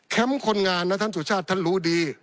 คนงานนะท่านสุชาติท่านรู้ดี